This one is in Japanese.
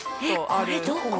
これどこ？